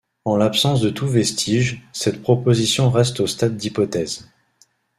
En l'absence de tout vestige, cette proposition reste au stade d'hypothèse.